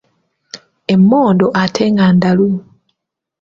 Emmondo ate nga ndalu .